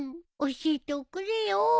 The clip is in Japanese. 教えておくれよう。